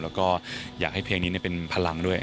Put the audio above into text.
แล้วก็อยากให้เพลงนี้เป็นพลังด้วย